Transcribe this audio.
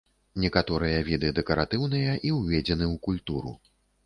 Некаторыя віды дэкаратыўныя і ўведзены ў культуру.